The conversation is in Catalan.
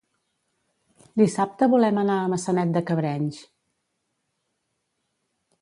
Dissabte volem anar a Maçanet de Cabrenys.